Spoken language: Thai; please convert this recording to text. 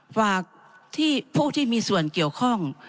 ฝากที่ผู้ที่มีส่วนเกี่ยวข้อง